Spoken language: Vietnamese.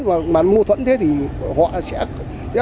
mà mâu thuẫn thế thì họ sẽ